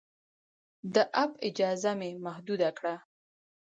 د اپ اجازه مې محدود کړه.